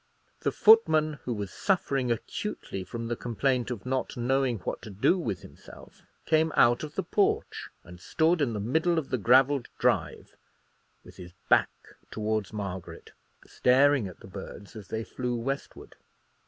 The footman, who was suffering acutely from the complaint of not knowing what to do with himself, came out of the porch and stood in the middle of the gravelled drive, with his back towards Margaret, staring at the birds as they flew westward.